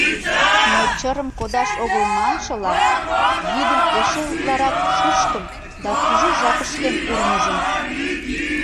Но чырым кодаш огыл маншыла, йӱдым эше утларак шучкын да кужу жапышкен урмыжын.